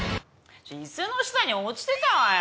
椅子の下に落ちてたわよ！